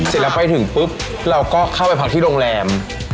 เสร็จแล้วไปถึงปุ๊บเราก็เข้าไปพักที่โรงแรม